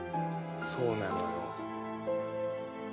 そうなのよ。